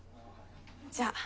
じゃあ。